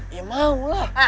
ya mau lah